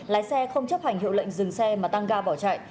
lái xe không chấp hành hiệu lệnh dừng xe mà tăng ga bỏ chạy